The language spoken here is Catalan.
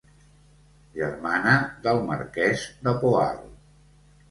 Germana del marquès de Poal.